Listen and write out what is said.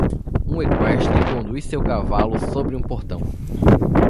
Um equestre conduz seu cavalo sobre um portão.